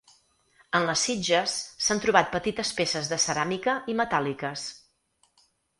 En les sitges s’han trobat petites peces de ceràmica i metàl·liques.